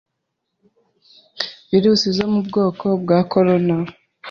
Virus zo mu bwoko bwa corona